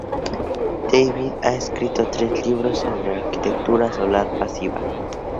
David ha escrito tres libros sobre arquitectura solar pasiva.